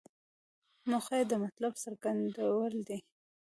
موخه یې د مطلب څرګندول دي.